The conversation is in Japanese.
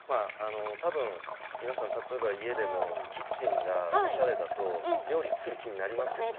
多分皆さん家でもキッチンがおしゃれだと料理作る気になりますよね。